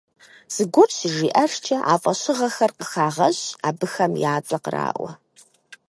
Зыгуэр щыжиӀэжкӀэ, а фӀэщыгъэхэр къыхагъэщ, абыхэм я цӀэ къраӀуэ.